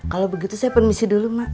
kalau begitu saya permisi dulu mbak